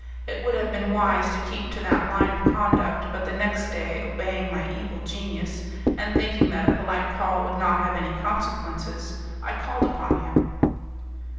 It would have been wise to keep to that line of conduct; but the next day, obeying my evil genius, and thinking that a polite call could not have any consequences, I called upon him.